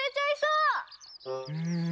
うん。